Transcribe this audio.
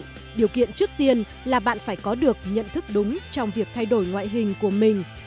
nhưng trước tiên là bạn phải có được nhận thức đúng trong việc thay đổi ngoại hình của mình